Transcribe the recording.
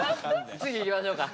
次いきましょうか。